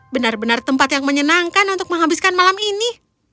benar benar tempat yang menyenangkan untuk menghabiskan malam ini